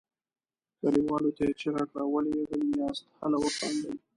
کليوالو ته یې چیغه کړه ولې غلي یاست هله وخاندئ.